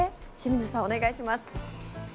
清水さん、お願いします。